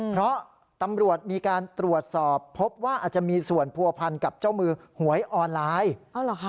เพราะตำรวจมีการตรวจสอบพบว่าอาจจะมีส่วนผัวพันกับเจ้ามือหวยออนไลน์